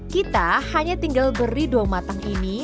kita hanya tinggal beri doang matang ini